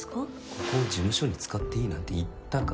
ここを事務所に使っていいなんて言ったか？